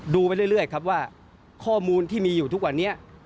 ไปเรื่อยครับว่าข้อมูลที่มีอยู่ทุกวันนี้